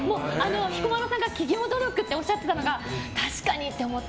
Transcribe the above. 彦摩呂さんが企業努力っておっしゃってたのが確かにって思って。